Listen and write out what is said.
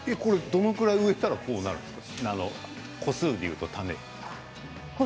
どれくらい植えたら発芽があるんですか？